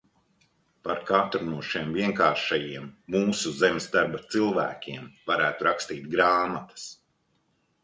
Par katru no šiem vienkāršajiem mūsu zemes darba cilvēkiem varētu rakstīt grāmatas.